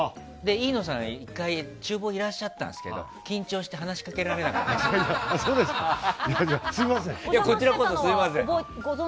飯野さんが１回厨房いらっしゃったんですけど緊張して話しかけられなかったんです。